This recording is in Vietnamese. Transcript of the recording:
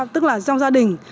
tức là trong gia đình